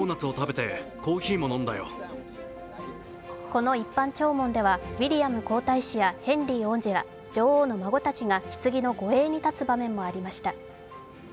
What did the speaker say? この一般弔問ではウィリアム皇太子やヘンリー王子ら、女王の孫たちがひつぎの護衛に立つ場面もありました。